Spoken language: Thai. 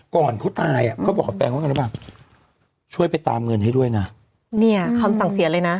ก่อนเขาตายเขาบอกแฟนเขากันแล้วบ้าง